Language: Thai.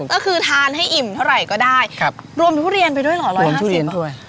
ก็คือทานให้อิ่มเท่าไหร่ก็ได้ครับรวมทุเรียนไปด้วยเหรอ๑๕๐ด้วย